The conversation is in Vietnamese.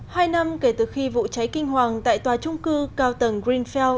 hai năm kể từ khi vụ cháy kinh hoàng tại tòa trung cư cao tầng greenfell